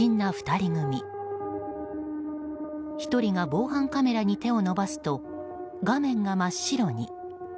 １人が防犯カメラに手を伸ばすと画面が真っ白に。